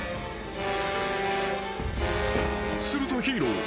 ［するとヒーロー。